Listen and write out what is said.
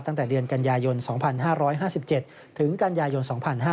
ตั้งแต่เดือนกันยายน๒๕๕๗ถึงกันยายน๒๕๕๙